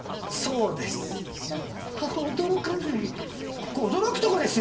ここ驚くとこですよ！